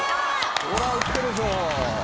これは売ってるでしょ。